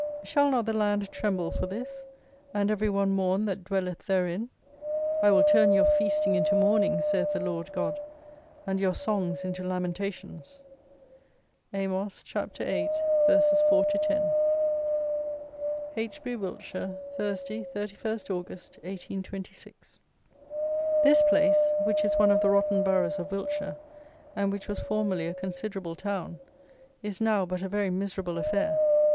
Shall not the land tremble for this; and every one mourn that dwelleth therein? I will turn your feasting into mourning, saith the Lord God, and your songs into lamentations." Amos, chap. viii. ver. 4 to 10. Heytesbury (Wilts), Thursday, 31st August, 1826. This place, which is one of the rotten boroughs of Wiltshire, and which was formerly a considerable town, is now but a very miserable affair.